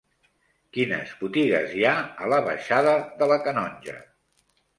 Quines botigues hi ha a la baixada de la Canonja?